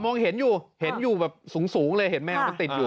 เห็นอยู่เห็นอยู่แบบสูงเลยเห็นแมวมันติดอยู่